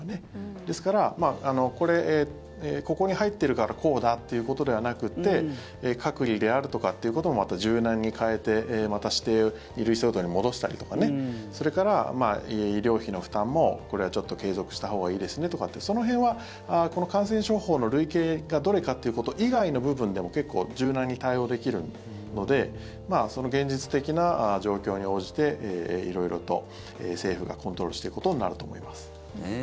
ですから、ここに入っているからこうだということではなくて隔離であるとかっていうことも柔軟に変えてまた指定を２類相当に戻したりとかそれから医療費の負担もこれはちょっと継続したほうがいいですねとかってその辺はこの感染症法の類型がどれかっていうこと以外の部分でも結構柔軟に対応できるので現実的な状況に応じて色々と政府がコントロールしていくことになると思います。